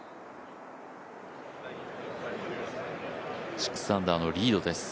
６アンダーのリードです。